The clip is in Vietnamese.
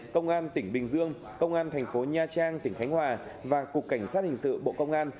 công an tỉnh bình dương công an thành phố nha trang tỉnh khánh hòa và cục cảnh sát hình sự bộ công an